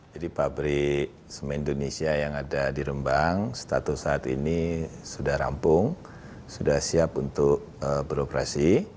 jadi pabrik semen indonesia yang ada di rembang status saat ini sudah rampung sudah siap untuk beroperasi